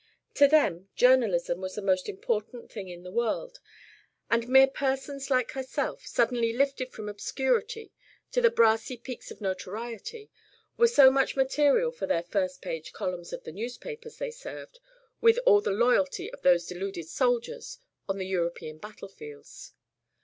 To them journalism was the most important thing in the world, and mere persons like herself, suddenly lifted from obscurity to the brassy peaks of notoriety were so much material for first page columns of the newspapers they served with all the loyalty of those deluded soldiers on the European battlefields.